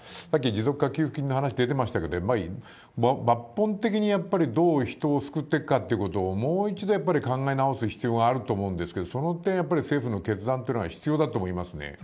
さっき持続化給付金の話出てましたけど、やっぱり抜本的にやっぱりどう人を救っていくかってことをもう一度やっぱり考え直す必要があると思うんですけど、その点、やっぱり政府の決断っていうのが必要だと思いますね。